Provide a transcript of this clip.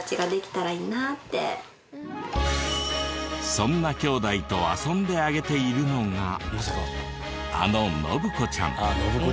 そんな兄弟と遊んであげているのがあの洵子ちゃん。